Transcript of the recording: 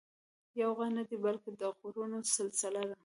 یو غر نه دی بلکې د غرونو سلسله ده.